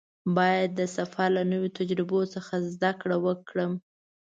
باید د سفر له نویو تجربو څخه زده کړه وکړم.